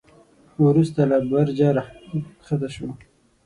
وروسته له برجه کښته شو.